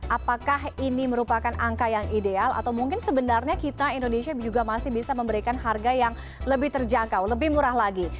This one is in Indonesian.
apakah ini merupakan angka yang ideal atau mungkin sebenarnya kita indonesia juga masih bisa memberikan harga yang lebih terjangkau lebih murah lagi